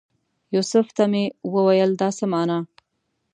یوسف ته مې وویل دا څه مانا؟